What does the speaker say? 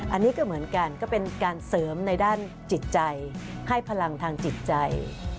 อันนี้ก็เหมือนกันก็เป็นการเสริมในด้านจิตใจให้พลังทางจิตใจ